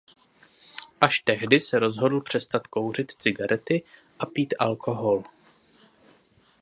Až tehdy se rozhodl přestat kouřit cigarety a pít alkohol.